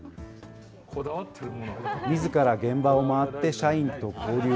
みずから現場を回って社員と交流。